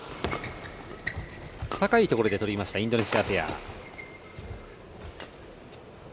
高いところで取りましたインドネシアペア。